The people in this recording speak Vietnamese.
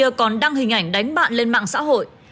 bây giờ con đang hình ảnh đánh bạn lên mạng xã hội